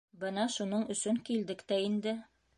Бына шуның өсөн килдек тә инде.